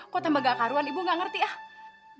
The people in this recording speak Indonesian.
kok tambah gak karuan ibu gak ngerti ah